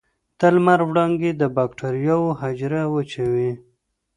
د لمر وړانګې د بکټریاوو حجره وچوي.